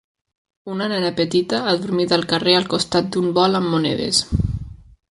Una nena petita adormida al carrer al costat d'un bol amb monedes.